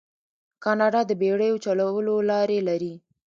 کاناډا د بیړیو چلولو لارې لري.